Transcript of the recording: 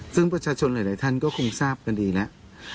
ซึ่งประชาชนหลายท่านก็คงทราบกันดีแล้ว